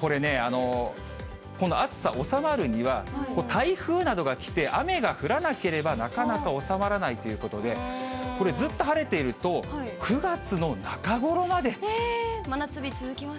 これね、この暑さ収まるには、台風などが来て雨が降らなければなかなか収まらないということで、これ、ずっと晴れていると、真夏日続きますか？